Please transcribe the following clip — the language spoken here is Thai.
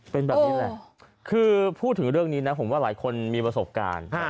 เป็นแบบนี้แหละคือพูดถึงเรื่องนี้นะผมว่าหลายคนมีประสบการณ์